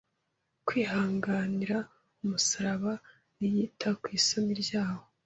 kwihanganira umusaraba, ntiyita ku isoni ryawo